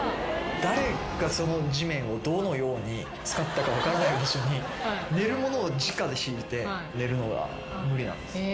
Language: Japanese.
誰がその地面をどのように使ったか分からない場所に寝るものをじかで敷いて寝るのが無理なんですよ。